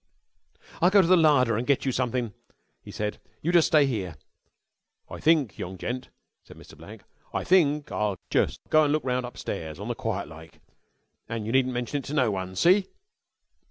"I'll go to the larder and get you sumthin'," he said. "You jus' stay here." "I think, young gent," said Mr. Blank, "I think I'll just go an' look round upstairs on the quiet like, an' you needn't mention it to no one. See?"